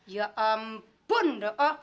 ya ampun do'oh